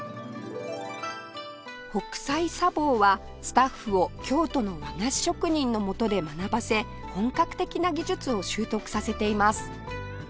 北斎茶房はスタッフを京都の和菓子職人のもとで学ばせ本格的な技術を習得させています